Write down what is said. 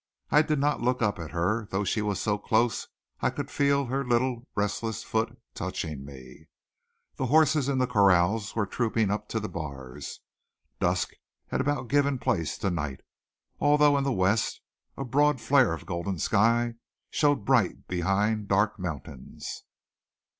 I did not look up at her, though she was so close I could feel her little, restless foot touching me. The horses in the corrals were trooping up to the bars. Dusk had about given place to night, although in the west a broad flare of golden sky showed bright behind dark mountains.